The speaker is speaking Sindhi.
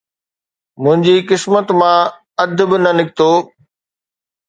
منهنجي قسمت مان اڌ به نه نڪتو